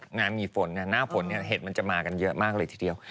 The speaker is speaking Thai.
งานมีฝนหน้าฝนเห็ดมันจะมากันเยอะมากเลยทีเดียว